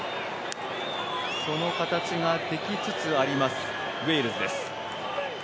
その形ができつつありますウェールズです。